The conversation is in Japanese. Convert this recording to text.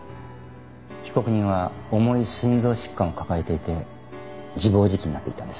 被告人は重い心臓疾患を抱えていて自暴自棄になっていたんです。